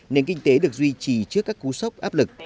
nền kinh tế được duy trì trước các cú sốc áp lực